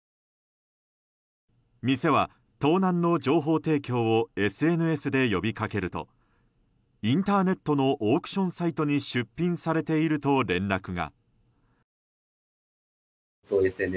店は盗難の情報提供をＳＮＳで呼びかけるとインターネットのオークションサイトに出品されていると連絡が。